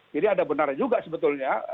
jadi ada benar juga sebetulnya